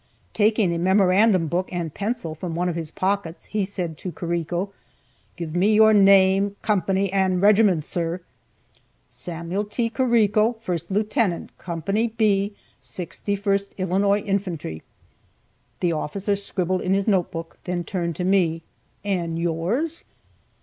Taking a memorandum book and pencil from one of his pockets, he said to Carrico, "Give me your name, company, and regiment, sir." "Samuel T. Carrico, first lieutenant Co. B, 61st Illinois Infantry." The officer scribbled in his note book, then turned to me, "And yours?"